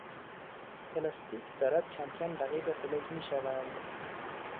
پلاستیک دارد کمکم رقیب فلز میشوند.